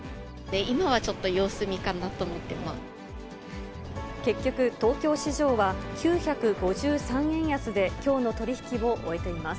今はちょっと様子見かなと思結局、東京市場は９５３円安できょうの取り引きを終えています。